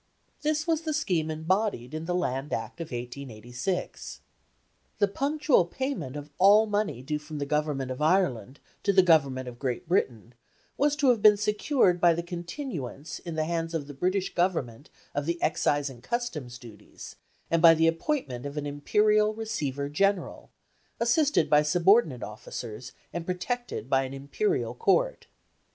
This was the scheme embodied in the Land Act of 1886. The punctual payment of all money due from the Government of Ireland to the Government of Great Britain was to have been secured by the continuance in the hands of the British Government of the Excise and Customs duties, and by the appointment of an Imperial Receiver General, assisted by subordinate officers, and protected by an Imperial Court.